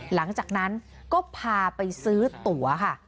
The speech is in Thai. หลังจากนั้นก็พาไปซื้อตั๋วค่ะ